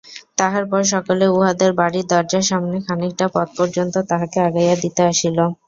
তাহার পর সকলে উহাদের বাড়ির দরজার সামনে খানিকটা পথ পর্যন্ত তাহাকে আগাইয়া দিতে আসিল।